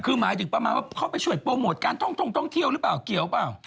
คือหมายถึงประมาณว่าเขาไปช่วยโปรโมทการท่องท่องเที่ยวหรือเปล่าเกี่ยวเปล่า